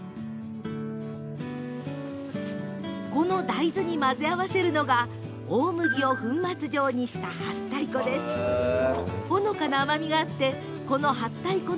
この大豆に混ぜ合わせるのが大麦を粉末状にした、はったい粉。